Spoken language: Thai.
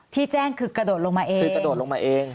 ที่แจ้งคือกระโดดลงมาเอง